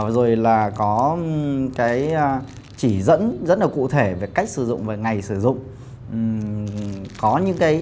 rồi là có cái chỉ dẫn rất là cụ thể về cách sử dụng và ngày sử dụng